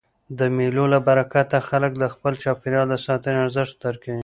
د مېلو له برکته خلک د خپل چاپېریال د ساتني ارزښت درکوي.